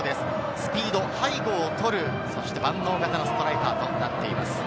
スピード、背後を取る万能型のストライカーとなっています。